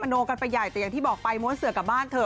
โนกันไปใหญ่แต่อย่างที่บอกไปม้วนเสือกลับบ้านเถอ